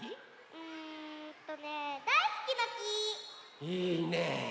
うんとね「だいすきの木」。いいね。